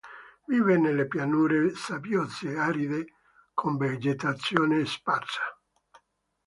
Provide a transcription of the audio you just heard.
Vive nelle pianure sabbiose aride con vegetazione sparsa.